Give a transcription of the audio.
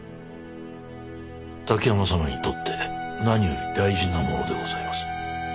滝山様にとって何より大事なものでございます。